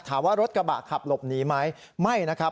ถามว่ารถกระบะขับหลบหนีไหมไม่นะครับ